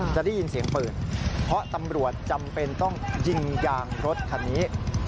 จะได้ยินเสียงปืนเพราะตำรวจจำเป็นต้องยิงยางรถคันนี้